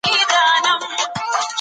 د خلکو منفعت تر ټولو مهم دی.